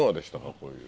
こういう。